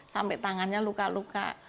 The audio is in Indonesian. sampai tangannya luka luka